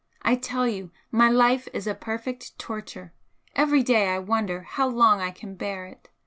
I tell you my life is a perfect torture. Every day I wonder how long I can bear it!